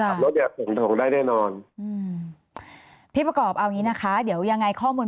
หัวโดยกฏร๓๒ได้แน่นอนนพี่ประกอบอะงี้นะคะเดี๋ยวยังไงข้อมูล